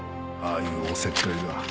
あいうおせっかいが。